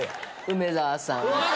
梅沢さん。